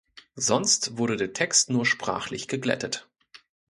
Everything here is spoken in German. Sonst wurde der Text nur sprachlich geglättet.